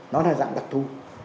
nó là dạng đặc thu